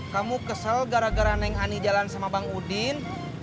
kamu kesel gara gara neng ani jalan sama bang udin